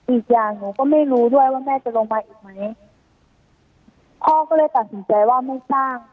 อีกอย่างหนูก็ไม่รู้ด้วยว่าแม่จะลงมาอีกไหมพ่อก็เลยตัดสินใจว่าไม่สร้าง